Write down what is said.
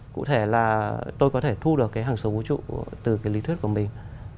cụ thể là tôi có thể thu được cái hàng sống vũ trụ từ cái lý thuyết của mình